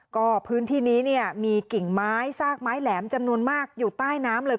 ก็พื้นที่นี้เนี่ยมีกิ่งไม้ซากไม้แหลมจำนวนมากอยู่ใต้น้ำเลย